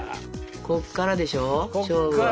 こっからでしょ勝負は。